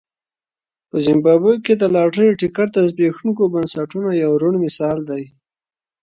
په زیمبابوې کې د لاټرۍ ټکټ د زبېښونکو بنسټونو یو روڼ مثال دی.